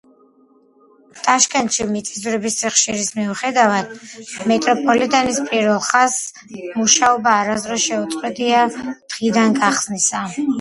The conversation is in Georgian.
ტაშკენტში მიწისძვრების სიხშირის მიუხედავად, მეტროპოლიტენის პირველ ხაზს მუშაობა არასდროს შეუწყვეტია დღიდან გახსნისა.